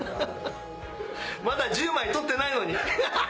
まだ１０枚取ってないのにハハハ！